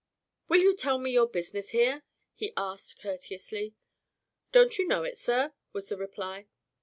"Will you tell me your business here?" he asked courteously. "Don't you know it, sir?" was the reply.